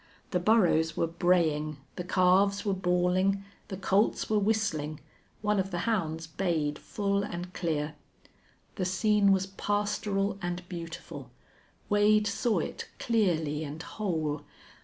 The burros were braying, the calves were bawling, the colts were whistling. One of the hounds bayed full and clear. The scene was pastoral and beautiful. Wade saw it clearly and whole.